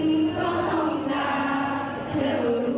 ตรงนี้จะเจอใครฉันจะมีที่จะอยู่